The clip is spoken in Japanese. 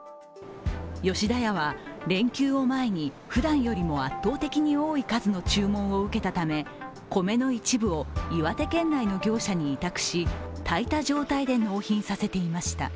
吉田屋は連休を前にふだんよりも圧倒的に多い数の注文を受けたため米の一部を岩手県内の業者に委託し炊いた状態で納品させていました。